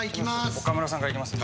岡村さんから行きますね。